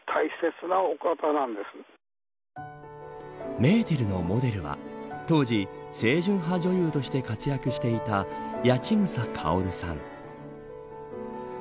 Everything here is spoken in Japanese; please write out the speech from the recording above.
メーテルのモデルは当時、清純派女優として活躍していた八千草薫さん。